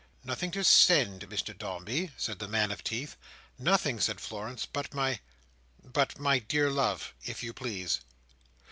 "Nothing to send, Miss Dombey?" said the man of teeth. "Nothing," said Florence, "but my—but my dear love—if you please."